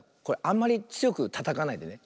あんまりつよくたたかないでね。